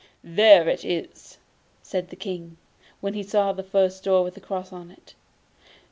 'There it is!' said the King, when he saw the first door with a cross on it.